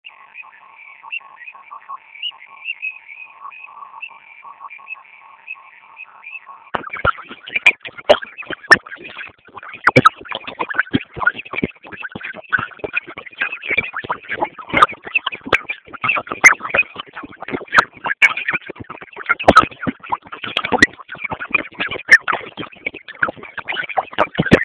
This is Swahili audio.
mwaka elfu mbili na ishirini wa kuwaondoa wanajeshi mia saba wa kikosi maalum ambao walikuwa wametumwa Somalia